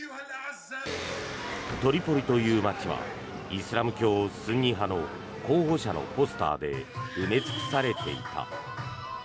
トリポリという街はイスラム教スンニ派の候補者のポスターで埋め尽くされていた。